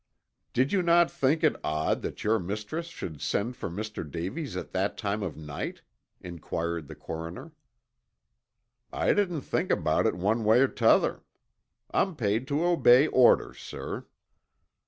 "Did you not think it odd that your mistress should send for Mr. Davies at that time of night?" inquired the coroner. "I didn't think about it one way or 'tother. I'm paid to obey orders, sir."